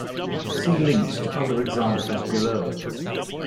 See links to other examples below.